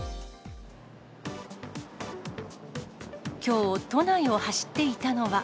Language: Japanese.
きょう、都内を走っていたのは。